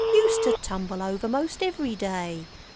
Used to tumble over most every day."